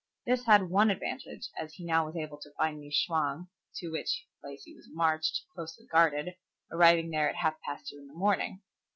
This had one advantage, as he now was able to find New Chwang, to which place he was marched, closely guarded, arriving there at half past two in the morning.